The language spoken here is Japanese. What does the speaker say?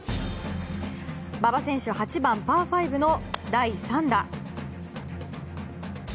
馬場選手８番、パー５の第３打。